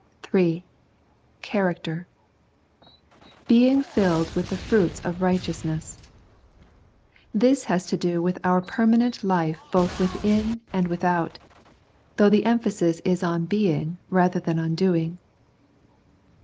(3) Character ;" being filled with the fruits of righteousness." This has to do with our permanent life both within and without, though the emphasis is on being rather than on doing.